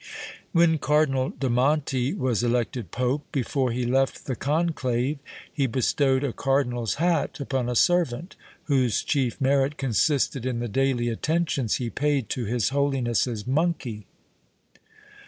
When Cardinal de Monte was elected pope, before he left the conclave, he bestowed a cardinal's hat upon a servant, whose chief merit consisted in the daily attentions he paid to his holiness's monkey!